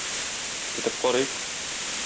Көтеп карыйк.